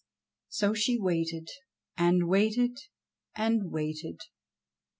So she waited, and waited, and waited.